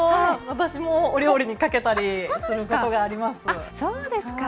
私もお料理にかけたりすることがあります。